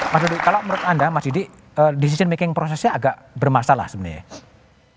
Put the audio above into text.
pak suriadi kalau menurut anda pak suriadi decision making prosesnya agak bermasalah sebenarnya ya